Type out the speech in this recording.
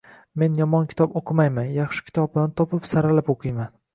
Men yomon kitob oʻqimayman, yaxshi kitoblarni topib, saralab oʻqiyman